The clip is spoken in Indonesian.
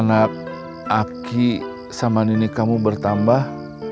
anak aki sama nenek kamu bertambah